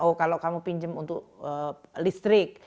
oh kalau kamu pinjam untuk listrik